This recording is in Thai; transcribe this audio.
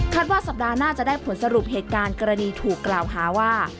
ว่าสัปดาห์หน้าจะได้ผลสรุปเหตุการณ์กรณีถูกกล่าวหาว่า